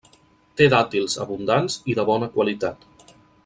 Té dàtils abundants i de bona qualitat.